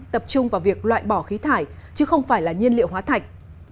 tập trung vào việc loại bỏ khí thải chứ không phải là nhiên liệu hóa thạch